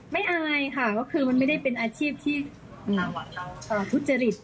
อายค่ะก็คือมันไม่ได้เป็นอาชีพที่เราทุจริต